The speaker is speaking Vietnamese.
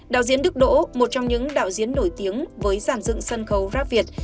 đạo diễn đức đỗ một trong những đạo diễn nổi tiếng với giàn dựng sân khấu rap việt